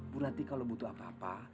bu rati kalau butuh apa apa